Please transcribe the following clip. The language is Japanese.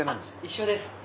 一緒です。